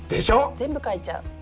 全部書いちゃう。